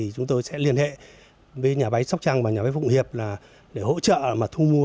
chúng tôi sẽ liên hệ với nhà máy sóc trăng và nhà máy phụng hiệp là để hỗ trợ thu mua